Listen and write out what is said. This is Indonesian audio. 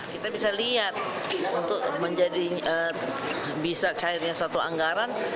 kita bisa lihat untuk menjadi bisa cairnya suatu anggaran